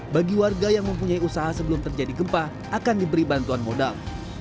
bagi warga yang mempunyai usaha sebelum terjadi gempa akan diberi bantuan modal